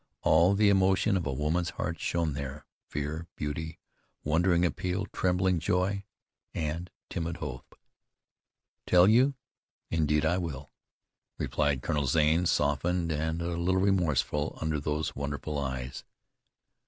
All the emotion of a woman's heart shone there, fear, beauty, wondering appeal, trembling joy, and timid hope. "Tell you? Indeed I will," replied Colonel Zane, softened and a little remorseful under those wonderful eyes.